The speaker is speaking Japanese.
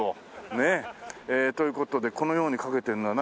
ねえ。という事でこのように掛けてるのは何？